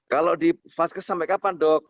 kalau di vaskes sampai kapan dok